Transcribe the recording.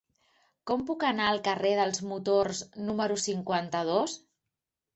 Com puc anar al carrer dels Motors número cinquanta-dos?